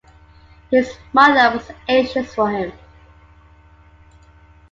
His mother was anxious for him.